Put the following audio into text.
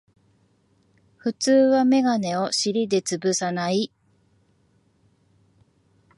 普通はメガネを尻でつぶさない